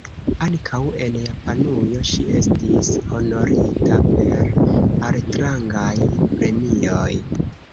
Ankaŭ en Japanujo ŝi estis honorita per altrangaj premioj.